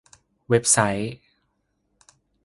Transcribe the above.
เว็บไซต์